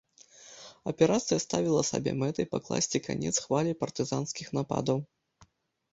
Аперацыя ставіла сабе мэтай пакласці канец хвалі партызанскіх нападаў.